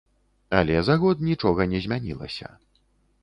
Але за год нічога не змянілася.